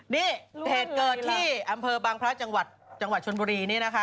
นี่เหตุเกิดที่อำเภอบางพระจังหวัดจังหวัดชนบุรีนี่นะคะ